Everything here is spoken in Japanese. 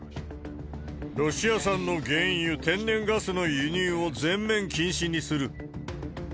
ロシア産の原油、天然ガスの輸入を全面禁止にする。